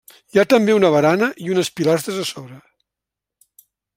Hi ha també una barana i unes pilastres a sobre.